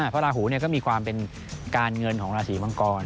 พระราหูก็มีความเป็นการเงินของราศีมังกร